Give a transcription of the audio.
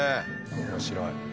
面白い。